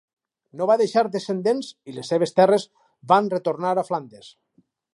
No va deixar descendents i les seves terres van retornar a Flandes.